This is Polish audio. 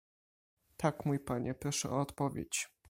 "Tak, mój panie proszę o odpowiedź."